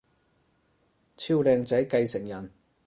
超靚仔繼承人